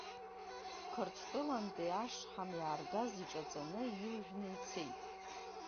Қырҭтәылантәи ашҳам иааргаз иҿаҵаны, иржәны ицеит.